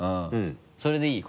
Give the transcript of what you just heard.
それでいい？